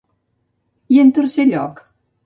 I en tercer lloc?